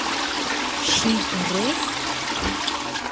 — Ший ырес?!